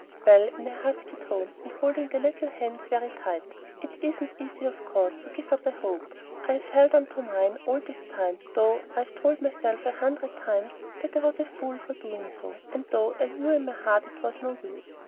"Well," in a husky tone, and holding the little hands very tight, "it isn't easy, of course, to give up a hope. I've held on to mine all this time, though I've told myself a hundred times that I was a fool for doing so, and though I knew in my heart it was no use.